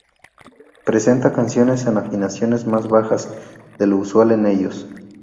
Presenta canciones en afinaciones más bajas de lo usual en ellos.